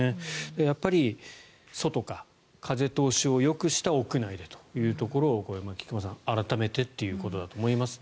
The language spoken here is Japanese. やっぱり外か、風通しをよくした屋内でというところを菊間さん、改めてということだと思いますね。